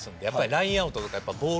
ラインアウトとか。